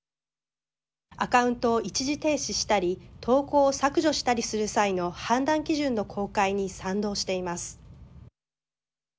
アカウントを一時停止したり投稿を削除したりする際の判断基準の公開に賛同しています。